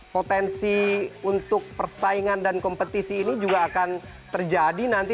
potensi untuk persaingan dan kompetisi ini juga akan terjadi nanti